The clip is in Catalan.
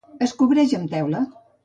Es cobreix amb teula.